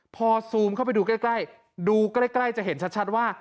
พอซูมเข้าไปดูใกล้ดูใกล้จะเห็นชัดว่า